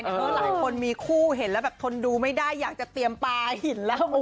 เพราะหลายคนมีคู่เห็นแล้วแบบทนดูไม่ได้อยากจะเตรียมปลาหินแล้ว